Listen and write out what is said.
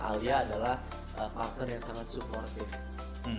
alia adalah partner yang sangat supportif